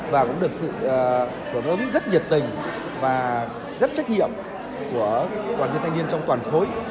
và cũng được sự hưởng ứng rất nhiệt tình và rất trách nhiệm của đoàn viên thanh niên trong toàn khối